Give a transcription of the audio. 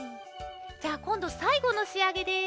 じゃあこんどさいごのしあげです。